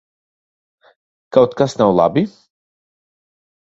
Kaut kas nav labi?